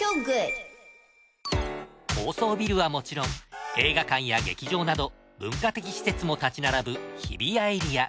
高層ビルはもちろん映画館や劇場など文化的施設も立ち並ぶ日比谷エリア。